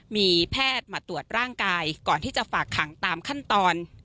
มีแพทย์มาตรวจร่างกายก่อนที่จะฝากขังตามขั้นตอน